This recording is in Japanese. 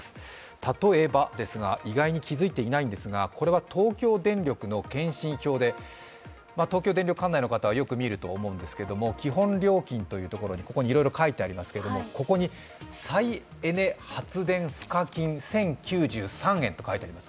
例えば、意外に気づいてないんですが、これは東京電力の検針票で、東京電力管内の方はよく見ると思うんですけれども基本料金というところにいろいろ書いてありますけど、ここに再エネ発電賦課金と書いてありますが、１０９３円と書いてあります。